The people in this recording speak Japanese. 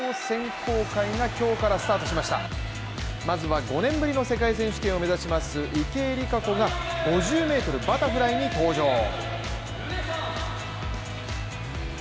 まずは５年ぶりの世界選手権を目指します池江璃花子が５０ｍバタフライに登場。